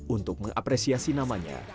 untuk mengapresiasi namanya